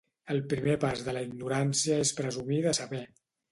El primer pas de la ignorància és presumir de saber